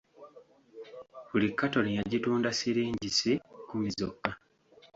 Buli katoni yagitunda siringisi kumi zokka.